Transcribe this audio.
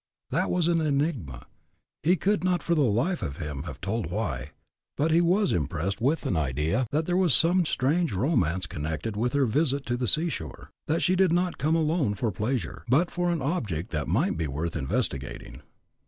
That was an enigma. He could not, for the life of him, have told why, but he was impressed with an idea that there was some strange romance connected with her visit to the sea shore that she did not come alone for pleasure, but for an object that might be worth investigating.